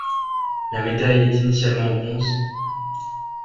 La médaille est initialement en bronze.